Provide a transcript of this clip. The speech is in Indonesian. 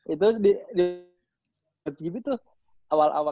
itu di coach givi tuh awal awal